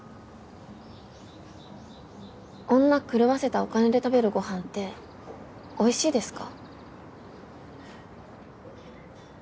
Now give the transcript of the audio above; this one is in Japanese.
女狂わせたお金で食べるご飯っておいしいですか？